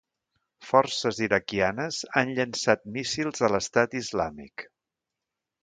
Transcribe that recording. Forces iraquianes han llançat míssils a l'Estat Islàmic